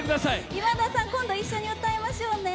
今田さん今度一緒に歌いましょうね。